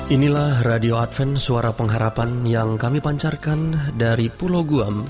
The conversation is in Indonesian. inilah radio adven suara pengharapan yang kami pancarkan dari pulau guam